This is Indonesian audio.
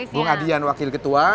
bung adian wakil ketua